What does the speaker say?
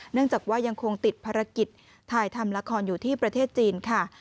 เนื่องจากว่ายังคงติดภารกิจถ่ายทำละครอยู่ที่ประเทศจีนค่ะ